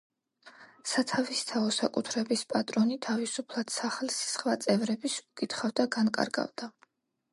სათავისთაო საკუთრებას პატრონი თავისუფლად, სახლის სხვა წევრების უკითხავად, განკარგავდა.